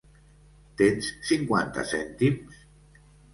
Tens cinquanta cèntims?